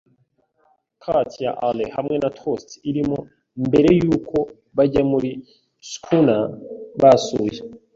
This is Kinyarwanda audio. quart ya ale hamwe na toast irimo, mbere yuko bajya muri schooner basuye